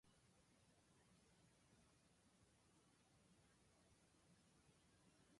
最後に君が見たのは、きらきらと輝く無数の瞳であった。